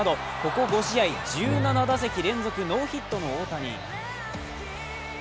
ここ５試合、１７打席連続ノーヒットの大谷。